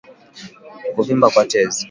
Kuvimba kwa tezi